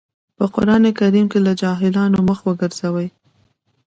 په قرآن کريم کې له جاهلانو مخ وګرځوئ.